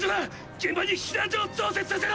現場に避難所を増設させろ！